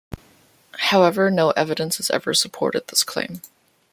However, no evidence has ever supported this claim.